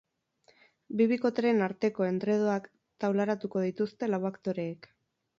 Bi bikoteren arteko endredoak taularatuko dituzte lau aktoreek.